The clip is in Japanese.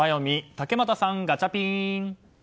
竹俣さん、ガチャピン！